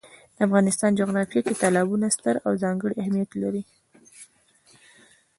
د افغانستان جغرافیه کې تالابونه ستر او ځانګړی اهمیت لري.